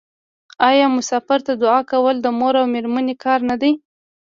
آیا مسافر ته دعا کول د مور او میرمنې کار نه دی؟